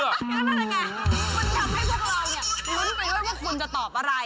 มันทำให้พวกเรานี่ลุ้นไปว่าพวกคุณจะตอบอะไร